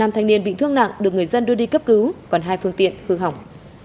năm thanh niên bị thương nặng được người dân đưa đi cấp cứu còn hai phương tiện hư hỏng